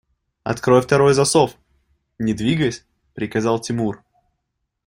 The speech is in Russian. – Открой второй засов! – не двигаясь, приказал Тимур.